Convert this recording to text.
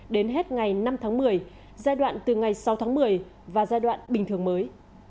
đến hết ngày năm tháng một mươi giai đoạn từ ngày sáu tháng một mươi và giai đoạn bình thường mới